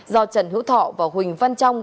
do trần hữu thọ và huỳnh văn trong